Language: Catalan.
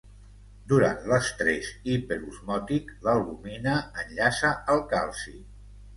Durant l'estrès hiperosmòtic l'albúmina enllaça el calci.